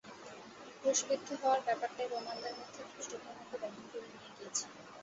ক্রুশবিদ্ধ হওয়ার ব্যাপারটাই রোমানদের মধ্যে খ্রীষ্টধর্মকে বহন করে নিয়ে গিয়েছিল।